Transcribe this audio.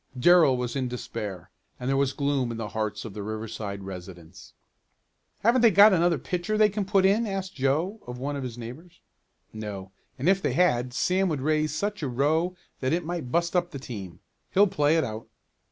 Darrell was in despair, and there was gloom in the hearts of the Riverside residents. "Haven't they another pitcher they can put in?" asked Joe of one of his neighbors. "No, and if they had Sam would raise such a row that it might bust up the team. He'll play it out."